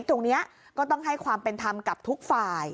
ตรงนี้ก็ต้องให้ความเป็นธรรมกับทุกฝ่าย